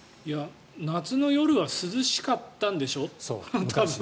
夏の夜は涼しかったんでしょ？